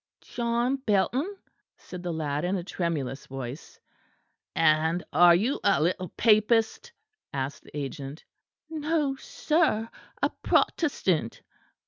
"John Belton," said the lad in a tremulous voice. "And you are a little papist?" asked the agent. "No sir; a Protestant."